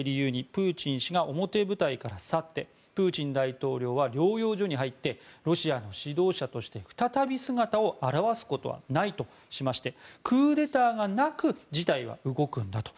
プーチン氏が表舞台から去ってプーチン大統領は療養所に入ってロシアの指導者として再び姿を現すことはないとしましてクーデターがなく事態は動くんだと。